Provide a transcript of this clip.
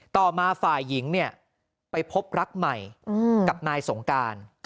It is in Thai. ต่อมาฝ่ายหญิงไปพบรักใหม่กับนายสงการ